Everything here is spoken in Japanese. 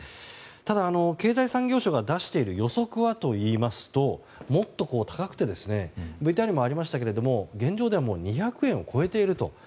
ただ、経済産業省が出している予測はといいますともっと高くてＶＴＲにもありましたが現状では２００円を超えていると。